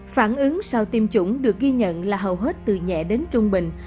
phản ứng sau tiêm chủng được ghi nhận là hầu hết từ nhẹ đến trung bình